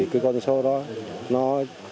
cái con số đó